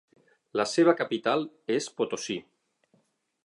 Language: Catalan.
La seva capital és Potosí.